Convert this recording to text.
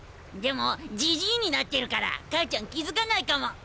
でもじじいになってるから母ちゃん気付かないかも。